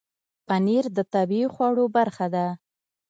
پنېر د طبیعي خوړو برخه ده.